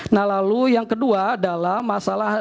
nah lalu yang kedua adalah masalah